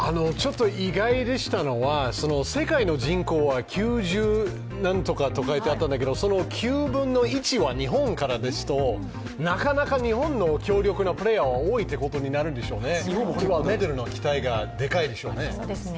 意外でしたのは、世界の人口は九十なんとかと書いてあったんですけど、その９分の１は日本からですとなかなか日本の強力なプレーヤーが多いってことでしょうね、メダルの期待がデカいでしょうね。